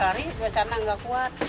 lari ke sana nggak kuat